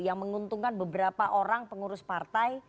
yang menguntungkan beberapa orang pengurus partai